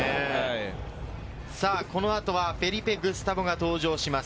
この後はフェリペ・グスタボが登場します。